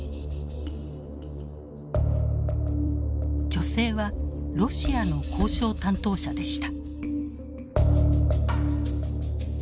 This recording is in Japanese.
女性はロシアの交渉担当者でした。